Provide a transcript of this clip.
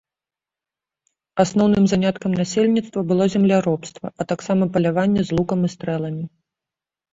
Асноўным заняткам насельніцтва было земляробства, а таксама паляванне з лукам і стрэламі.